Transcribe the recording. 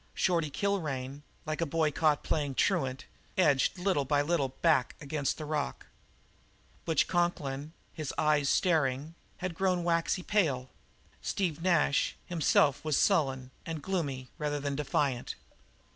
Shorty Kilrain, like a boy caught playing truant, edged little by little back against the rock; Butch Conklin, his eyes staring, had grown waxy pale; Steve Nash himself was sullen and gloomy rather than defiant.